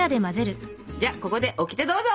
じゃあここでオキテどうぞ！